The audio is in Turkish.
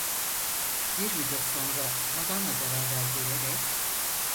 Bir müddet sonra madamla beraber gelerek: